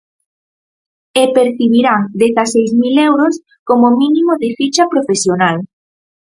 E percibirán dezaseis mil euros como mínimo de ficha profesional.